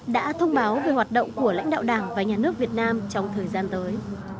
đã thông báo về hoạt động của lãnh đạo đảng và nhà nước việt nam trong thời gian tới